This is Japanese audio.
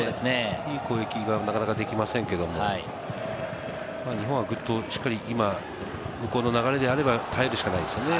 いい攻撃が、なかなかできませんけれども、日本はぐっとしっかり、ここの流れであれば、耐えるしかないですね。